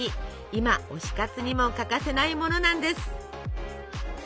今推し活にも欠かせないものなんです。